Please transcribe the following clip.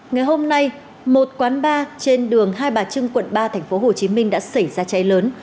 ngày hôm nay một quán bar trên đường hai bà trưng quận ba tp hcm đã xảy ra cháy lớn